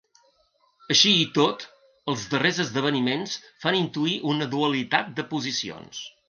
Així i tot, els darrers esdeveniments fan intuir una dualitat de posicions.